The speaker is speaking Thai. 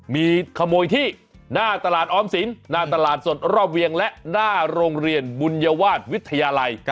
มีขโมยที่หน้าตลาดออมสินหน้าตลาดสดรอบเวียงและหน้าโรงเรียนบุญวาสวิทยาลัย